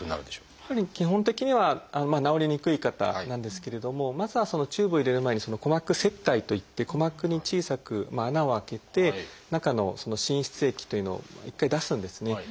やっぱり基本的にはまあ治りにくい方なんですけれどもまずはそのチューブを入れる前に「鼓膜切開」といって鼓膜に小さく穴を開けて中の滲出液というのを一回出すんですね。